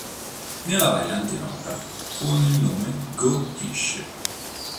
Nella variante nota con il nome "Go fish!